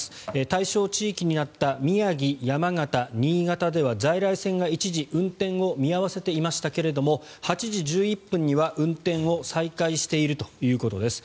対象地域になった宮城、山形、新潟では在来線が一時、運転を見合わせていましたが８時１１分には運転を再開しているということです。